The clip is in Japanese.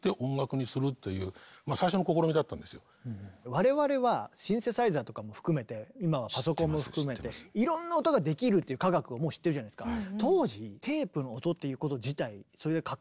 我々はシンセサイザーとかも含めて今はパソコンも含めていろんな音ができるっていう科学をもう知ってるじゃないですか。